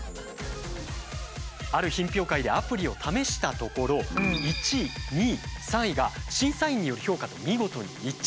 ある品評会でアプリを試したところ１位２位３位が審査員による評価と見事に一致。